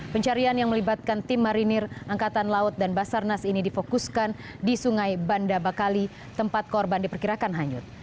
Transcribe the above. pencarian yang melibatkan tim marinir angkatan laut dan basarnas ini difokuskan di sungai banda bakali tempat korban diperkirakan hanyut